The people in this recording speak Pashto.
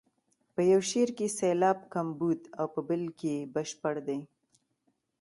په یو شعر کې سېلاب کمبود او په بل کې بشپړ دی.